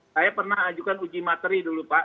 saya pernah ajukan uji materi dulu pak